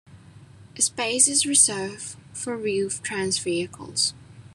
A space is reserved for Wheel-Trans vehicles.